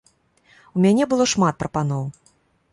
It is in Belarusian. У мяне было шмат прапаноў.